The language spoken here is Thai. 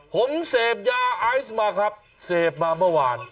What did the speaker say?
ผมเสพยาไอซ์มาครับเสพมาเมื่อวาน